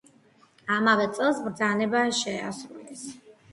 ამავე წელს, ბრძანება შეასრულეს.